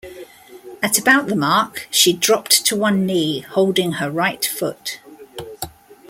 At about the mark, she dropped to one knee, holding her right foot.